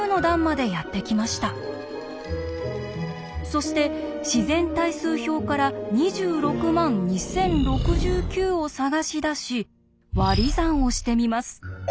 そして自然対数表から２６万２０６９を探し出し割り算をしてみます。